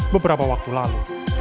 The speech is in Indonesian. beberapa waktu lalu